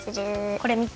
これみて。